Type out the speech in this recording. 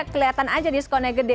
kelihatan aja diskonnya gede